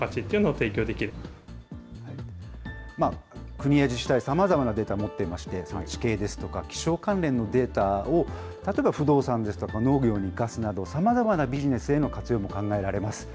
国や自治体、さまざまなデータ持っていまして、地形ですとか気象関連のデータを、例えば不動産ですとか、農業に生かすなど、さまざまなビジネスへの活用も考えられます。